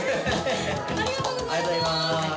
ありがとうございます！